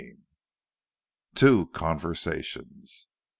TWO CONVERSATIONS.